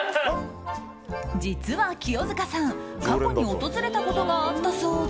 実は、清塚さん過去に訪れたことがあったそうで。